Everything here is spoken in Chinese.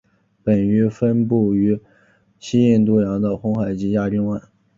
本鱼分布于西印度洋的红海及亚丁湾。